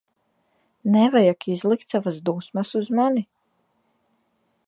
Nevajag izlikt savas dusmas uz mani.